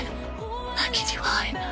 凪には会えない。